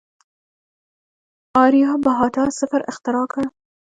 آریابهټا صفر اختراع کړ.